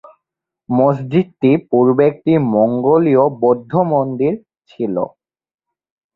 মসজিদটি পূর্বে একটি মঙ্গোলিয় বৌদ্ধ মন্দির ছিল।